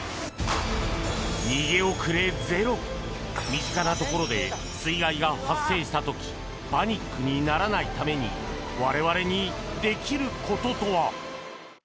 身近なところで水害が発生した時パニックにならないために我々にできることとは。